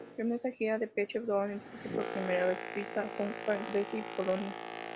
En esta gira Depeche Mode visitó por primera vez Suiza, Hungría, Grecia y Polonia.